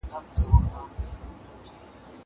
زه به سبا درسونه لوستل کوم!!